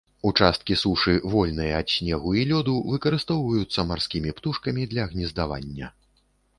Участкі сушы, вольныя ад снегу і лёду, выкарыстоўваюцца марскімі птушкамі для гнездавання.